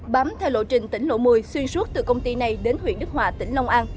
bám theo lộ trình tỉnh lộ một mươi xuyên suốt từ công ty này đến huyện đức hòa tỉnh long an